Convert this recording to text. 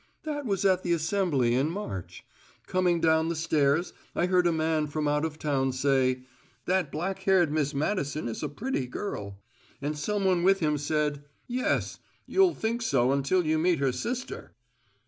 "That was at the Assembly in March. Coming down the stairs, I heard a man from out of town say, `That black haired Miss Madison is a pretty girl.' And some one with him said, `Yes; you'll think so until you meet her sister!'"